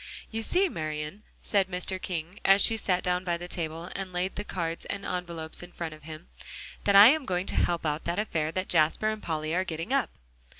"You see, Marian," said Mr. King as she sat down by the table, and laid the cards and envelopes in front of him, "that I'm going to help out that affair that Jasper and Polly are getting up."